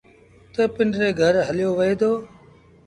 تا پنڊري گھر هليو وهي دو۔